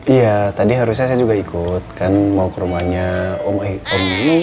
iya tadi harusnya saya juga ikut kan mau ke rumahnya om eh om